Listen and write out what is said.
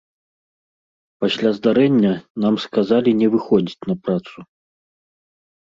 Пасля здарэння нам сказалі не выходзіць на працу.